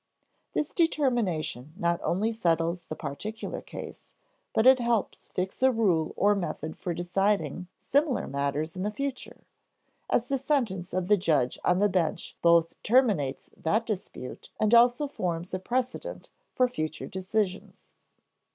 This determination not only settles that particular case, but it helps fix a rule or method for deciding similar matters in the future; as the sentence of the judge on the bench both terminates that dispute and also forms a precedent for future decisions.